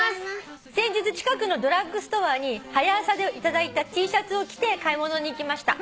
「先日近くのドラッグストアに『はや朝』で頂いたＴシャツを着て買い物に行きました」